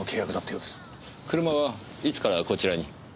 車はいつからこちらに？